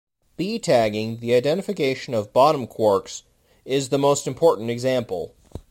B-tagging, the identification of bottom quarks, is the most important example.